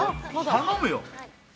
・頼むよ。